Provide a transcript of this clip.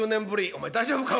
「お前大丈夫か？